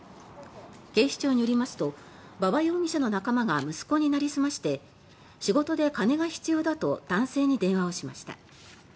警視庁によりますと馬場容疑者の仲間が息子になりすまして仕事で金が必要だと男性に電話をしました。